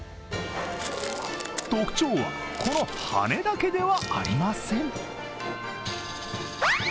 特徴はこの羽根だけではありません。